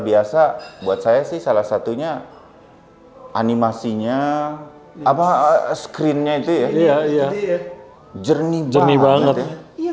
biasa buat saya sih salah satunya animasinya apa screennya itu ya jadi jernih banget ya